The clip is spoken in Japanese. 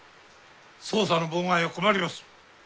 捜査の妨害は困ります。